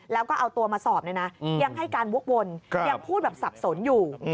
แล้วก็เอาตัวมาสอบเนี่ยนะยังให้การวกวนยังพูดแบบสับสนอยู่